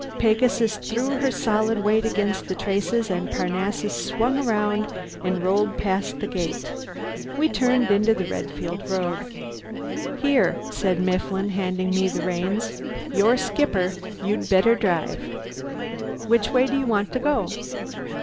Pegasus threw her solid weight against the traces and Parnassus swung round and rolled past the gate. We turned into the Redfield road. "Here," said Mifflin, handing me the reins, "you're skipper, you'd better drive. Which way do you want to go?"